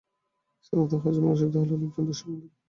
সাধারণত হজমের অসুবিধা হলে লোকজন দুঃস্বপ্ন দেখে।